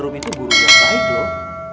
room itu guru yang baik loh